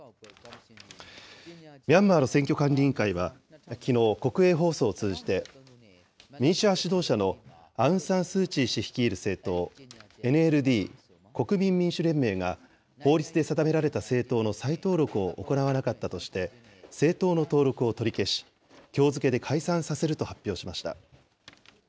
ミャンマーの選挙管理委員会は、きのう、国営放送を通じて、民主派指導者のアウン・サン・スー・チー氏が率いる政党、ＮＬＤ・国民民主連盟が法律で定められた政党の再登録を行わなかったとして、政党の登録を取り消し、きょう付けで解散させると発表しました。